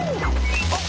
あっ！